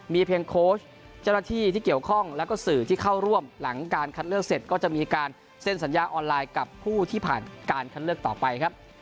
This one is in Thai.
มีเพียงโค้ชเจ้าหน้าที่ที่เกี่ยวข้องแล้วก็สื่อที่เข้าร่วมหลังการคัดเลือกเสร็จก็จะมีการเซ็นสัญญาออนไลน์กับผู้ที่ผ่านการคัดเลือกต่อไปครับ